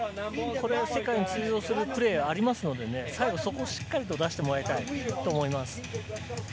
世界に通用するプレーがありますので、そこをしっかりと出してもらいたいと思います。